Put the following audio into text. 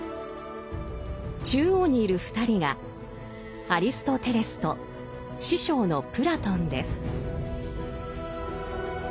中央にいる２人がアリストテレスと師匠のプラトンです。